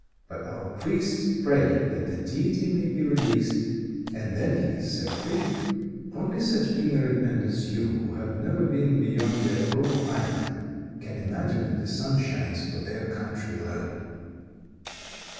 But our priests pray that the Deity may be released, and then he is set free. Only such ignorant men as you, who have never been beyond their own island, can imagine that the sun shines for their country alone."